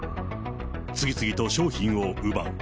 次々と商品を奪う。